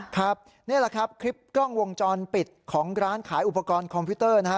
ครับนี่แหละครับคลิปกล้องวงจรปิดของร้านขายอุปกรณ์คอมพิวเตอร์นะฮะ